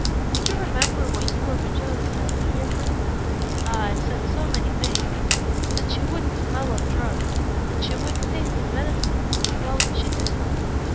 "Do you remember what you originally said to me of her?" "Ah I've said so many things." "That she wouldn't smell of drugs, that she wouldn't taste of medicine. Well, she didn't."